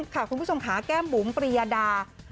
คุณผู้ชมค่ะแก้มบุ๋มปริยดา